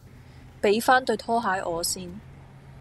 俾番對拖鞋我先